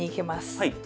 はい。